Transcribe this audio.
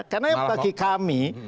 karena bagi kami